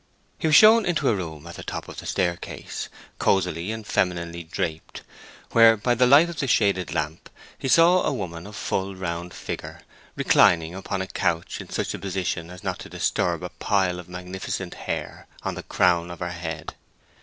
He was shown into a room at the top of the staircase, cosily and femininely draped, where, by the light of the shaded lamp, he saw a woman of full round figure reclining upon a couch in such a position as not to disturb a pile of magnificent hair on the crown of her head.